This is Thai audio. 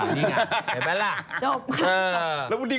นี่ก็แล้วก็นั่นไง